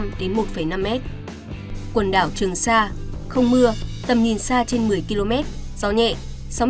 quần đảo trường sa không mưa tầm nhìn xa trên một mươi km gió nhẹ sóng biển cao từ năm một năm m